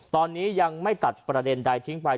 ตอนนี้ยังไม่ตัดประเด็นใดทิ้งไป